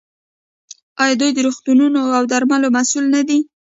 آیا دوی د روغتونونو او درملو مسوول نه دي؟